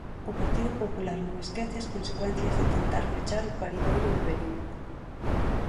O Partido Popular non esquece as consecuencias de tentar fechar o paridoiro de Verín.